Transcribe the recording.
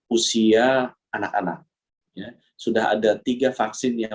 usia anak anak sudah ada tiga vaksin yang